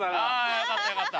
よかったよかった。